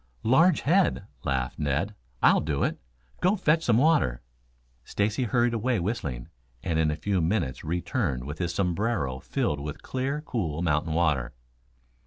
"Large head," laughed Ned. "I'll do it. Go fetch me some water." Stacy hurried away whistling, and in a few minutes returned with his sombrero filled with clear, cool mountain water.